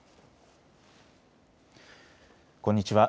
こんにちは。